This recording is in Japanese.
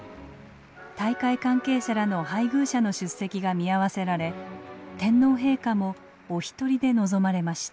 大会関係者らの配偶者の出席が見合わせられ天皇陛下もお一人で臨まれました。